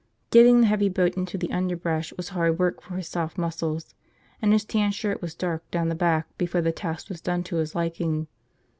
Getting the heavy boat into the underbrush was hard work for his soft muscles, and his tan shirt was dark down the back before the task was done to his liking.